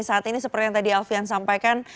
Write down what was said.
saat ini seperti yang tadi alfian sampaikan